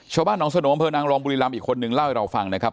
ชาวบ้านนสนบนรบุรีรัมอีกคนนึงเล่าให้เราฟังนะครับ